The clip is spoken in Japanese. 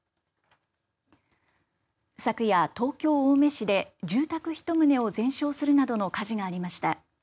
昨夜東京、青梅市で住宅１棟を全焼するなどの火事がありました。